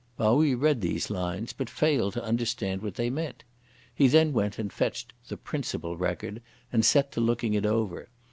Pao yü read these lines, but failed to understand what they meant. He then went and fetched the "Principal Record," and set to looking it over.